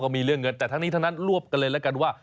มีเรื่องเงินแต่ทั้งนี้ทั้งนั้นรวบกันเลยแล้วกันว่า